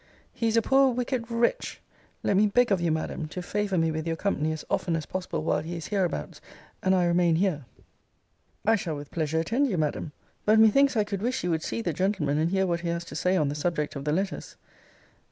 Cl. He is a poor wicked wretch. Let me beg of you, Madam, to favour me with your company as often as possible while he is hereabouts, and I remain here. Miss R. I shall with pleasure attend you, Madam: but, methinks, I could wish you would see the gentleman, and hear what he has to say on the subject of the letters.